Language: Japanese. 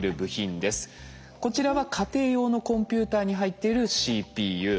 こちらは家庭用のコンピューターに入っているＣＰＵ。